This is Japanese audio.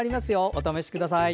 お試しください。